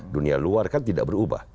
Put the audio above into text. dunia luar kan tidak berubah